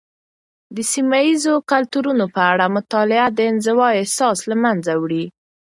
د سيمه یيزو کلتورونو په اړه مطالعه، د انزوا احساس له منځه وړي.